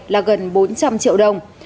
là gần bốn trăm linh triệu đồng